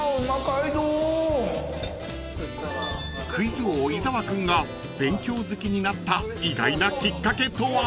［クイズ王伊沢君が勉強好きになった意外なきっかけとは］